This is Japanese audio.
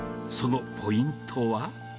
そのポイントは？